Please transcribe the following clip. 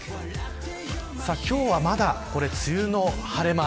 今日はまだ、梅雨の晴れ間。